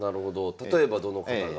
例えばどの方が？